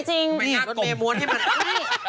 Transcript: ทำไมงานเมมวนให้มัน